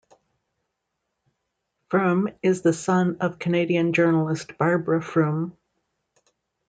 Frum is the son of Canadian journalist Barbara Frum.